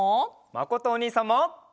まことおにいさんも！